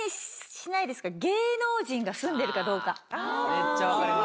めっちゃ分かります。